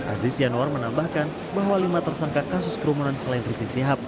aziz yanwar menambahkan bahwa lima tersangka kasus kerumunan selain rizik sihab